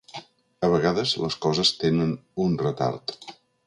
A vegades les coses tenen un retard.